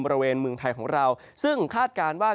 บริเวณเมืองไทยของเราซึ่งคาดการณ์ว่า